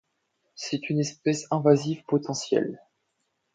C’est une espèce invasive potentielle.